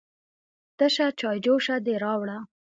_تشه چايجوشه دې راوړه؟